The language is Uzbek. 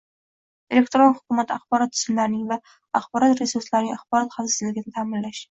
elektron hukumat axborot tizimlarining va axborot resurslarining axborot xavfsizligini ta’minlash